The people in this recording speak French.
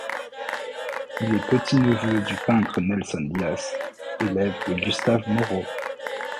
Il est petit-neveu du peintre Nelson Dias, élève de Gustave Moreau.